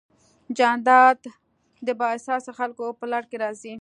جانداد د بااحساسه خلکو په لړ کې راځي.